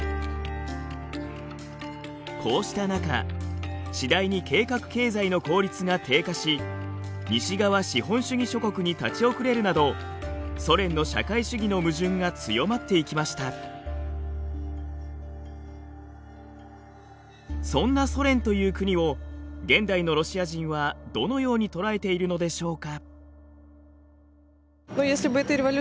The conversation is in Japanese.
こうした中次第に計画経済の効率が低下し西側資本主義諸国に立ち遅れるなどそんなソ連という国を現代のロシア人はどのように捉えているのでしょうか？